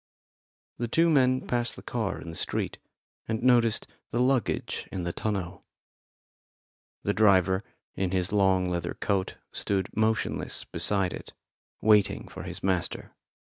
The two men passed the car in the street, and noticed the luggage in the tonneau. The driver, in his long leather coat, stood motionless beside it, waiting for his master.